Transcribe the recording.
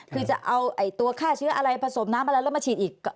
คือจะเอาตัวฆ่าเชื้ออะไรผสมน้ำอะไรแล้วมาฉีดอีก